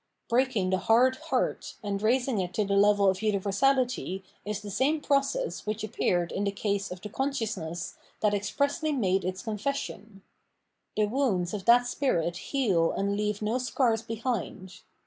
Break ing the hard heart and raising it to the level of uni versality is the same process which appeared iu the case of the consciousness that expressly made its confession. The woxmds of the spirit heal and leave no scars behind.